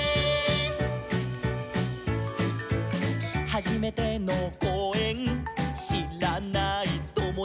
「はじめてのこうえんしらないともだち」